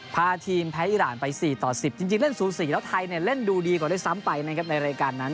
พาทีมแพ้อิร่านไป๔๑๐จริงเล่น๐๔แล้วไทยเล่นดูดีกว่าได้ซ้ำไปในรายการนั้น